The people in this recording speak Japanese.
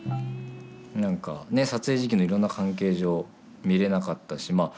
何か撮影時期のいろんな関係上見れなかったしまあ